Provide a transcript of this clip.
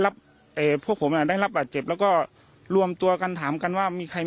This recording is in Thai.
พวกผมอ่ะได้รับบาดเจ็บแล้วก็รวมตัวกันถามกันว่ามีใคร